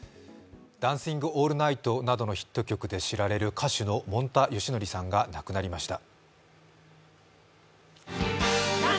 「ダンシング・オールナイト」などのヒット曲で知られる、歌手のもんたよしのりさんが亡くなりました。